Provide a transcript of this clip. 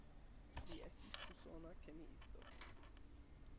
Li estis usona kemiisto.